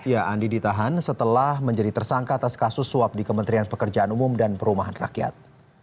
ya andi ditahan setelah menjadi tersangka atas kasus suap di kementerian pekerjaan umum dan perumahan rakyat